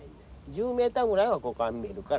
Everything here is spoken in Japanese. １０ｍぐらいはここから見えるから。